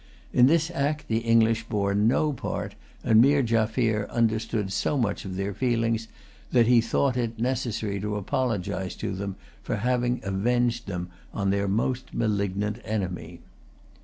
In this act the English bore no part and Meer Jaffier understood so much of their feelings that he thought it necessary to apologize to them for having avenged them on their most malignant enemy.